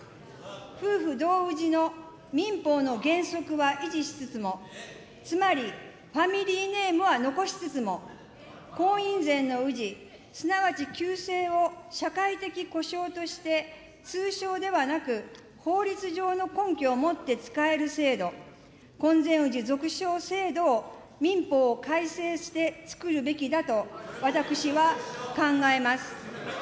夫婦同氏の民法の原則は維持しつつも、つまりファミリーネームは残しつつも、婚姻前の氏すなわち旧姓を、社会的呼称として、通称ではなく、法律上の根拠を持って使える制度、婚前氏続称制度を民法を改正してつくるべきだと、私は考えます。